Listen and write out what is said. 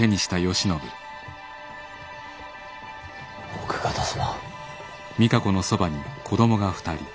奥方様。